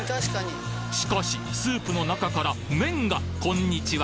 しかしスープの中から麺がこんにちは